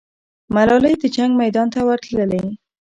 ملالۍ د جنګ میدان ته ورتللې.